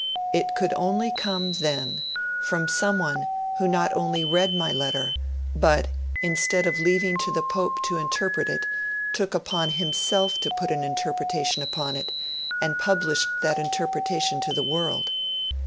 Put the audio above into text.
'It could only come, then, from someone who not only read my letter, but, instead of leaving to the Pope to interpret it, took upon himself to put an interpretation upon it, and published that interpretation to the world.